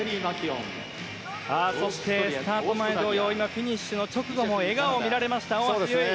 そして、スタート前同様フィニッシュの直後も笑顔が見られました大橋悠依。